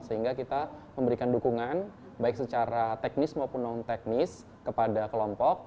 sehingga kita memberikan dukungan baik secara teknis maupun non teknis kepada kelompok